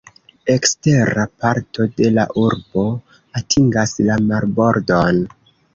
Ekstera parto de la urbo atingas la marbordon.